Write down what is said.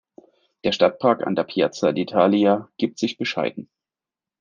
Der Stadtpark an der Piazza d’Italia gibt sich bescheiden.